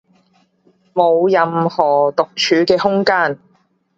冇任何獨處嘅空間